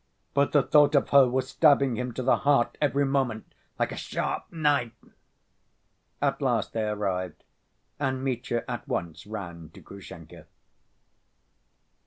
But the thought of her was stabbing him to the heart every moment, like a sharp knife. At last they arrived, and Mitya at once ran to Grushenka.